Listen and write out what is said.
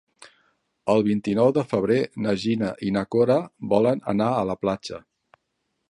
El vint-i-nou de febrer na Gina i na Cora volen anar a la platja.